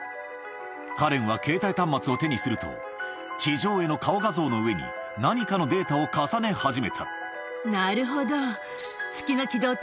カレンは携帯端末を手にすると地上絵の顔画像の上に何かのデータを重ね始めたなるほど。